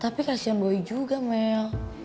tapi kasian boy juga mel